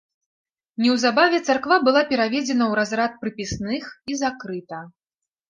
Неўзабаве царква была пераведзена ў разрад прыпісных і закрыта.